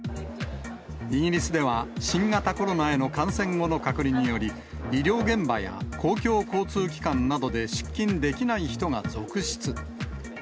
イギリスでは新型コロナへの感染後の隔離により、医療現場や公共交通機関などで出勤できない人が続出。